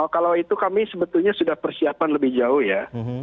kalau itu kami sebetulnya sudah persiapan lebih jauh ya